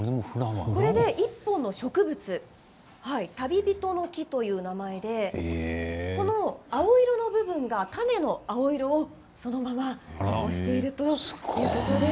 これで１本の植物タビビトノキという名前でこの青色の部分が種の青色をそのまま残しているということです。